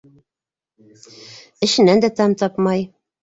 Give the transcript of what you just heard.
Эшенән дә тәм тапмай.